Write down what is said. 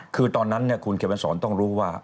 คือตอนนั้นคุณเขมสอนต้องรู้ว่า